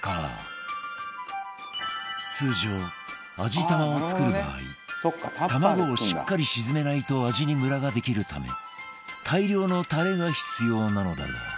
通常味玉を作る場合卵をしっかり沈めないと味にムラができるため大量のタレが必要なのだが